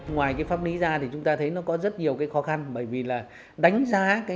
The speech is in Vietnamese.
ngoài pháp lý ra thì chúng ta thấy nó có rất nhiều khó khăn bởi vì là đánh giá dự án